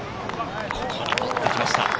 ここに持ってきました。